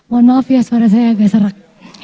mohon maaf ya suara saya agak serak